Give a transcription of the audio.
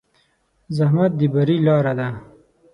زحمت د بری لاره ده.